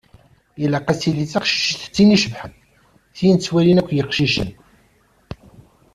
Ilaq ad tili teqcict d tin icebḥen, tin ttwalin akk yiqcicen.